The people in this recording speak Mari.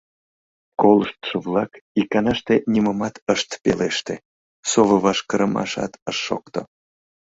Колыштшо-влак иканаште нимомат ышт пелеште, сово ваш кырымашат ыш шокто.